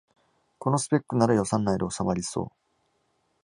このスペックなら予算内でおさまりそう